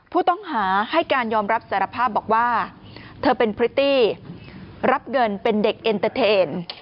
ผู้ต้องหาให้การยอมรับสารภาพบอกว่าเธอเป็นพริตตี้รับเงินเป็นเด็กเอ็นเตอร์เทน